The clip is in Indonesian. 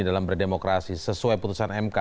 dalam berdemokrasi sesuai putusan mk